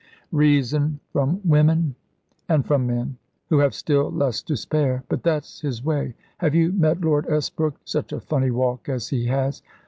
"Reason from women?" "And from men, who have still less to spare. But that's his way. Have you met Lord Esbrook? Such a funny walk as he has.